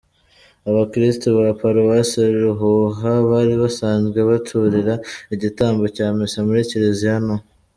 Abakristu ba Paruwasi Ruhuha bari basanzwe baturira igitambo cya misa muri Kiliziya nto.